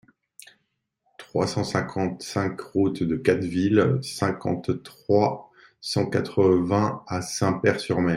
trois cent cinquante-cinq route de Catteville, cinquante, trois cent quatre-vingts à Saint-Pair-sur-Mer